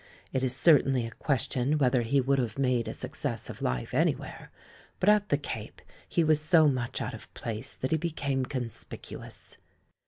It is certainly a question whether he would have made a success of life anywhere, but at the Cape he was so much out of place that he became con spicuous.